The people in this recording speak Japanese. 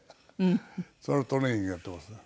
そのトレーニングやってますね。